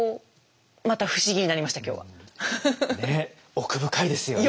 奥深いですよね。